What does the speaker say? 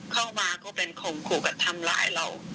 เข้ามาก็เป็นข่มขู่กับทำร้ายเรา